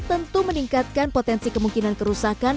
tentu meningkatkan potensi kemungkinan kerusakan